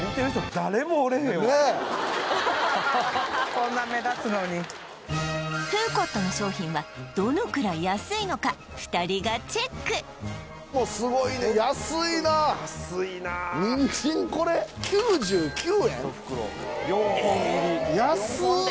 こんな目立つのにフーコットの商品はどのくらい安いのか２人がチェックすごいね安いなにんじんこれ９９円１袋４本入り安っ！